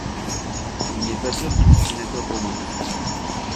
Il n'est pas sûr qu'il fut sénateur romain.